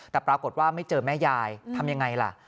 แต่ปรากฏว่าไม่เจอแม่ยายทำยังไงล่ะ